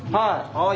はい！